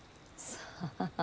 さあ？